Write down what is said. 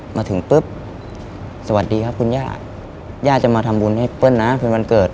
มาถึงปุ๊บสวัสดีครับคุณย่าย่าจะมาทำบุญให้เปิ้ลนะเป็นวันเกิด